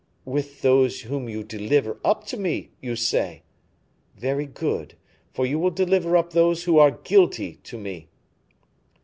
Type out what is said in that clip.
"With those whom you deliver up to me, you say? Very good, for you will deliver up those who are guilty to me."